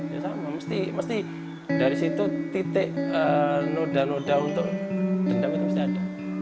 ya sama mesti dari situ titik noda noda untuk dendam itu mesti ada